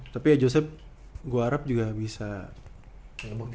tapi ya joseph gue harap juga bisa grow up